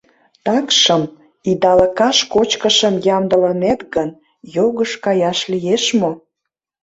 Такшым, идалыкаш кочкышым ямдылынет гын, йогыш каяш лиеш мо?